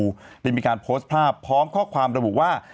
ได้มีการโพสต์ภาพพร้อมข้อความระบุว่า